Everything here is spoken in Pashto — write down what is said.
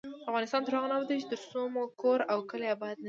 افغانستان تر هغو نه ابادیږي، ترڅو مو کور او کلی اباد نشي.